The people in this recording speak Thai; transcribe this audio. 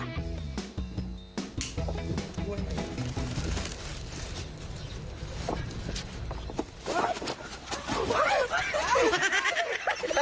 นาระ